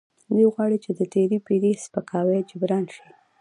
دوی غواړي چې د تیرې پیړۍ سپکاوی جبران کړي.